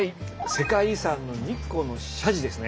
世界遺産の日光の社寺ですね。